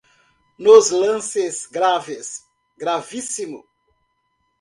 Nos lances graves, gravíssimo.